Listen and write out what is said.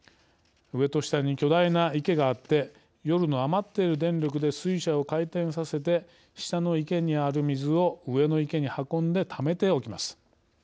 上と下に巨大な池があって夜の余っている電力で水車を回転させて下の池にある水を上の池に運んでためておきます。